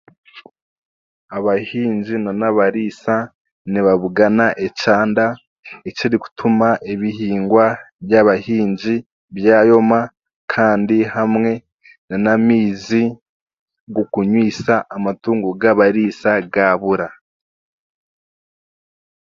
Abahingi nan'abariisa nibabugana ekyanda ekirikutuma ebihingwa by'abahingi byayoma kandi hamwe n'amaizi g'okunywisa amatungo g'abariisa gaabura